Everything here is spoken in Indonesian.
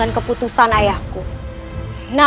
menjadi putra mahkota